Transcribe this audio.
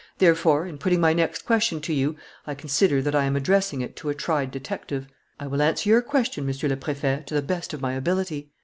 Therefore, in putting my next question to you, I consider that I am addressing it to a tried detective." "I will answer your question, Monsieur le Préfet, to the best of my ability."